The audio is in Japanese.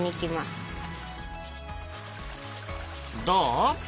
どう？